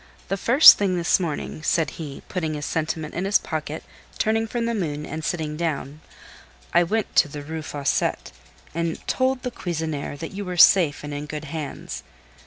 "The first thing this morning," said he, putting his sentiment in his pocket, turning from the moon, and sitting down, "I went to the Rue Fossette, and told the cuisinière that you were safe and in good hands.